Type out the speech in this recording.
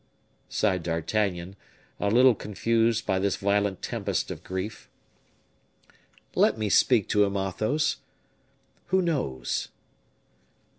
"Humph!" sighed D'Artagnan, a little confused by this violent tempest of grief. "Let me speak to him, Athos. Who knows?"